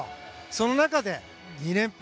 その中で、２連覇。